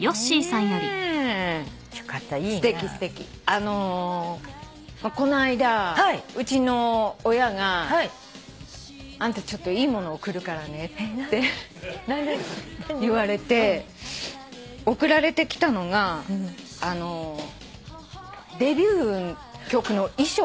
あのこの間うちの親が「あんたちょっといいもの送るからね」って言われて送られてきたのがあのデビュー曲の衣装。